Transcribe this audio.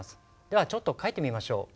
ではちょっと書いてみましょう。